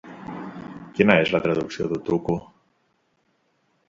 Quina és la traducció d'Utukku?